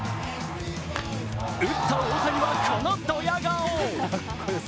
打った大谷はこのどや顔。